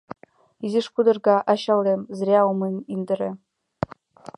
Изиш пудырга — ачалем, зря ом индыре.